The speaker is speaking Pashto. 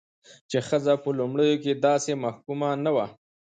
چې ښځه په لومړيو کې داسې محکومه نه وه،